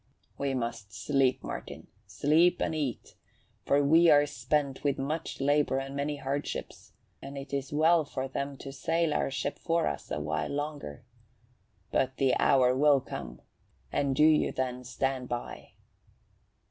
"We must sleep, Martin sleep and eat, for we are spent with much labour and many hardships, and it is well for them to sail our ship for us a while longer. But the hour will come, and do you then stand by."